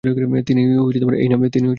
তিনি এই নাম গ্রহণ করেন।